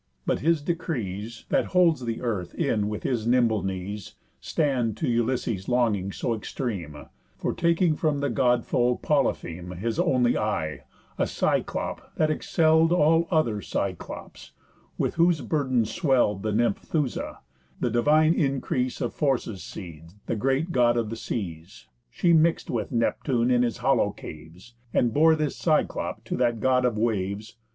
But his decrees, That holds the earth in with his nimble knees, Stand to Ulysses' longings so extreme, For taking from the God foe Polypheme His only eye; a Cyclop, that excell'd All other Cyclops, with whose burden swell'd The nymph Thoosa, the divine increase Of Phorcys' seed, a great God of the seas. She mix'd with Neptune in his hollow caves, And bore this Cyclop to that God of waves.